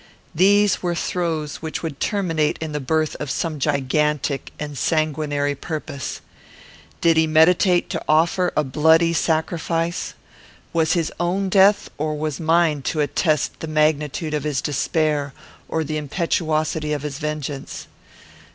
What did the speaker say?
These were throes which would terminate in the birth of some gigantic and sanguinary purpose. Did he meditate to offer a bloody sacrifice? Was his own death or was mine to attest the magnitude of his despair or the impetuosity of his vengeance?